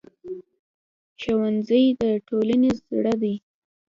ښوونځی د ټولنې زړه دی